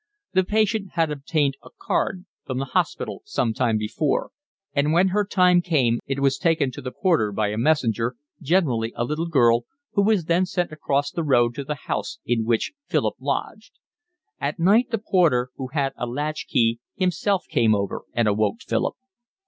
The patient had obtained a 'card' from the hospital some time before; and when her time came it was taken to the porter by a messenger, generally a little girl, who was then sent across the road to the house in which Philip lodged. At night the porter, who had a latch key, himself came over and awoke Philip.